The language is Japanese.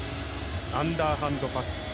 アンダーハンドパス。